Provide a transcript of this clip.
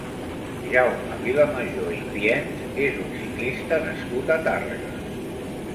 Jaume Vilamajó Ipiens és un ciclista nascut a Tàrrega.